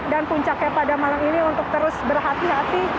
dan puncaknya pada malam ini untuk terus berhati hati